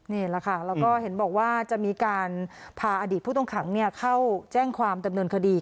นี่แหละค่ะแล้วก็เห็นบอกว่าจะมีการพาอดีตผู้ต้องขังเข้าแจ้งความดำเนินคดี